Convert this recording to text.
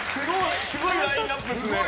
すごいラインアップですね。